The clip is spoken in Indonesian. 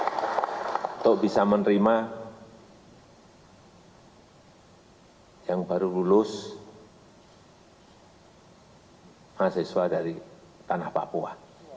untuk bisa menerima yang baru lulus mahasiswa dari tanah papua